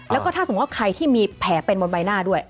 แล้วก็ถ้าสมมุติว่าใครที่มีแผลเป็นบนใบหน้าด้วย